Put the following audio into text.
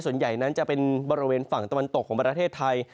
ส่วนใหญ่นั้นจะเป็นบริเวณฝั่งตะวันตกของประเทศไทย